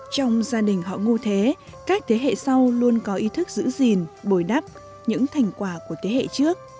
trong gia đình họ ngô thế các thế hệ sau luôn có ý thức giữ gìn bồi đắp những sức khỏe của gia đình